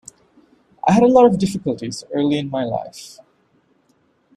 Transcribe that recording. I had a lot of difficulties early in my life.